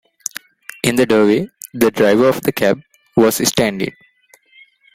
In the doorway the driver of the cab was standing.